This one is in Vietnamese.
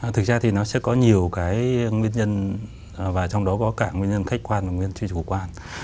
thực ra thì nó sẽ có nhiều cái nguyên nhân và trong đó có cả nguyên nhân khách quan và nguyên nhân truyền chủ quốc quan